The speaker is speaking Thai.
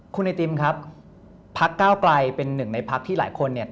คุณนายติมครับพักก้าวกลัยเป็นหนึ่งในพักที่หลายคน